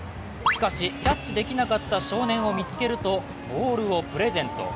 しかし、キャッチできなかった少年を見つけるとボールをプレゼント。